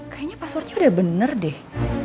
kayaknya passwordnya udah bener deh